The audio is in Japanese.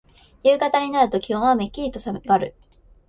夕方になると気温はめっきりとさがる。